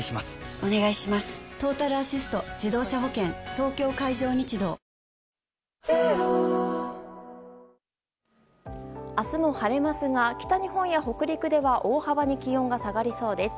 東京海上日動明日も晴れますが北日本や北陸では大幅に気温が下がりそうです。